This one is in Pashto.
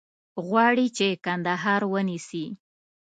غواړي چې کندهار ونیسي.